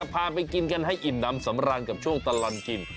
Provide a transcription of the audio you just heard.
พาไปกินกันให้อิ่มน้ำสำราญกับช่วงตลอดกิน